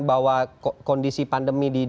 bahwa kondisi pandemi di